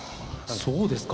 そうですか。